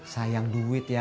sayang duit ya